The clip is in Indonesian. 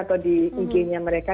atau di ig nya mereka